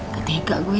gak tega gue